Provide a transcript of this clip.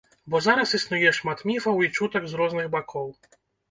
Бо зараз існуе шмат міфаў і чутак з розных бакоў.